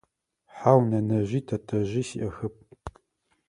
Хьау, нэнэжъи тэтэжъи сиӏэхэп.